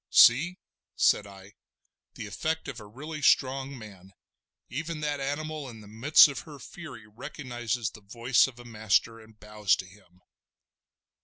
"See!" said I, "the effect of a really strong man. Even that animal in the midst of her fury recognises the voice of a master, and bows to him!"